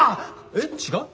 えっ違う？